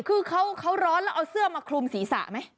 คือเขาร้อนแล้วเอาเสื้อมาคลุมศีรษะไหม